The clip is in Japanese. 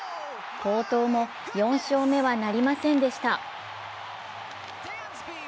好投も、４勝目はなりませんでした。